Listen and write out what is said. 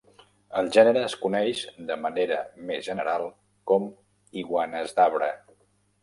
El gènere es coneix, de manera més general, com "iguanes d'arbre".